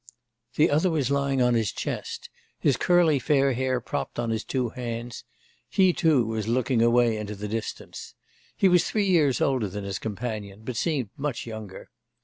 The other was lying on his chest, his curly, fair head propped on his two hands; he, too, was looking away into the distance. He was three years older than his companion, but seemed much younger.